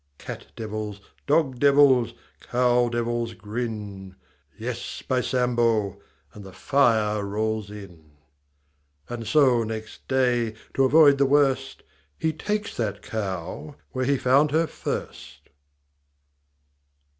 Cat devils, dog devils, cow devils grin — Yes, by Sambo, And the fire rolls in. 870911 100 VACHEL LINDSAY And so, next day, to avoid the worst — He ta'kes that cow Where he found her first.